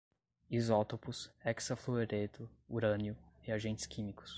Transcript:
isótopos, hexafluoreto, urânio, reagentes químicos